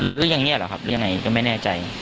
หรือยังเงียบหรือครับหรือยังไงก็ไม่แน่ใจ